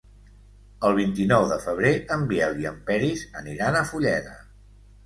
El vint-i-nou de febrer en Biel i en Peris aniran a Fulleda.